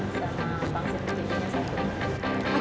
siapa orang baru orang baru